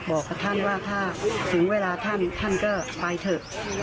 บอกกับท่านว่าถ้าถึงเวลาท่านท่านก็ไปเถอะ